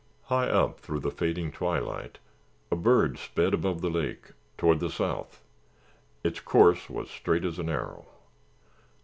High up, through the fading twilight, a bird sped above the lake, toward the south. Its course was straight as an arrow.